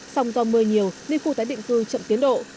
sông do mưa nhiều đi khu tái định cư chậm tiến độ